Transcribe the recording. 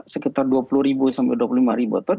sekitar dua puluh sampai dua puluh lima ribu ton